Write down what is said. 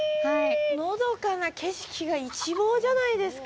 のどかな景色が一望じゃないですか。